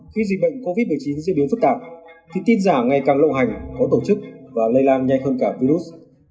khi dịch bệnh covid một mươi chín diễn biến phức tạp thì tin giả ngày càng lộ hành có tổ chức và lây lan nhanh hơn cả virus